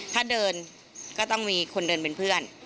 ถ้าเดินก็ต้องมีคนเดินเป็นเพื่อน